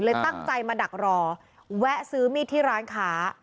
ตั้งใจมาดักรอแวะซื้อมีดที่ร้านค้า